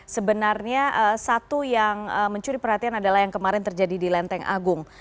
sebenarnya satu yang mencuri perhatian adalah yang kemarin terjadi di lenteng agung